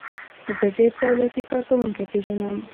زه ډیر دولتی کارکوونکي پیژنم.